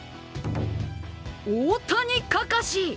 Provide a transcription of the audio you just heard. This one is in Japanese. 大谷かかし！